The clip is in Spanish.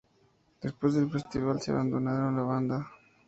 Despues del festival, se abandonaron la banda.